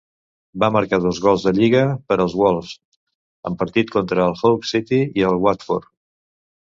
Va marcar dos gols de lliga per als Wolves, en partits contra el Hull City i el Watford.